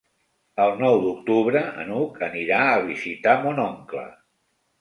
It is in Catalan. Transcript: El nou d'octubre n'Hug anirà a visitar mon oncle.